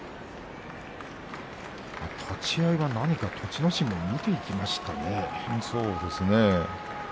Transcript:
立ち合いが、何か栃ノ心も見ていきましたね。